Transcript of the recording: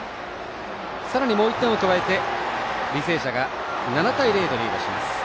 さらに、もう１点を加えて履正社が７対０とリードします。